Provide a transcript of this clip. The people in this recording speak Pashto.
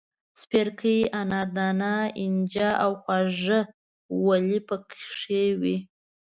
سپیرکۍ، اناردانه، اینجه او خواږه ولي پکې وې.